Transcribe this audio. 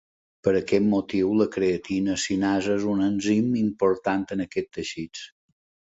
Per aquest motiu, la creatina cinasa és un enzim important en aquests teixits.